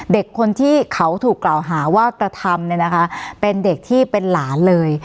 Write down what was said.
เด็กคนที่เขาถูกกล่าวหาว่ากระทำเนี่ยนะคะเป็นเด็กที่เป็นหลานเลย